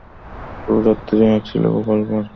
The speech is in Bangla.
শুভ রাত্রি এক ছিল গোপাল ভাঁড়।